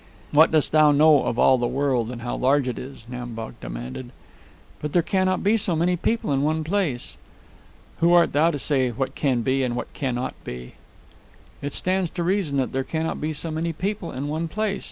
"What dost thou know of all the world and how large it is?" Nam Bok demanded. "But there cannot be so many people in one place." "Who art thou to say what can be and what cannot be?" "It stands to reason there cannot be so many people in one place.